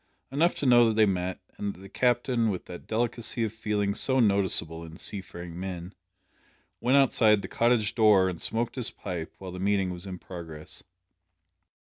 Enough to know that they met, and that the Captain with that delicacy of feeling so noticeable in seafaring men went outside the cottage door and smoked his pipe while the meeting was in progress.